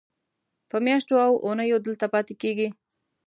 په میاشتو او اوونیو دلته پاتې کېږي.